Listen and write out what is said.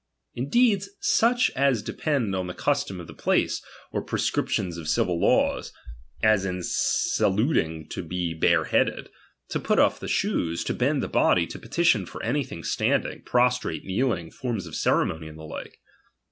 In deeds, such as depend on the custom of the place, or prescriptions of civil laws ; as in salutii^ to be bareheaded, to put oflf the shoes, to hend the body, to petition for anything standing, pros trate, kneeling, forms of ceremony, and the like.